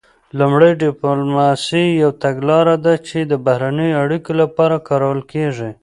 لومړی ډیپلوماسي یوه تګلاره ده چې د بهرنیو اړیکو لپاره کارول کیږي